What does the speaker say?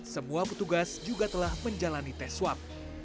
semua petugas juga telah menjalani tes swab